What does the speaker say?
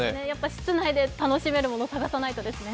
室内で楽しめるもの探さないとですね。